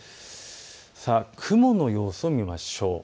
雲の様子を見ましょう。